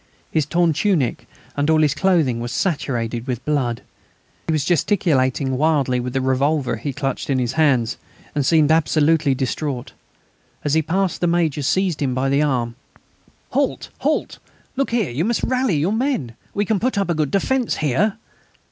His torn tunic and all his clothing were saturated with blood. He was gesticulating wildly with the revolver he clutched in his hands, and seemed absolutely distraught. As he passed the Major seized him by the arm: "Halt! halt! Look here, you must rally your men. We can put up a good defence here."